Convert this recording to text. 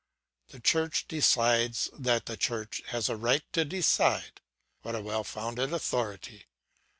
The Church decides that the Church has a right to decide. What a well founded authority!